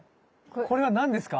これは何ですか？